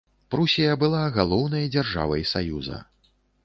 Прусія была галоўнай дзяржавай саюза.